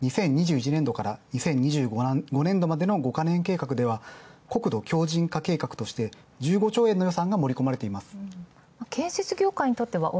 ２０２１年度から２０２５年度まで５カ年計画では、国土強靭化計画として１５兆円の予算案が盛り込まれています。